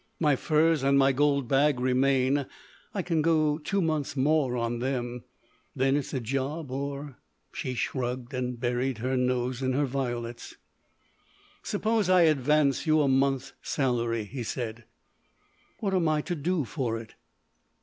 My furs and my gold bag remain. I can go two months more on them. Then it's a job or——." She shrugged and buried her nose in her violets. "Suppose I advance you a month's salary?" he said. "What am I to do for it?"